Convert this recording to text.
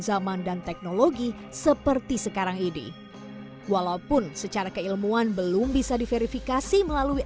zaman dan teknologi seperti sekarang ini walaupun secara keilmuan belum bisa diverifikasi melalui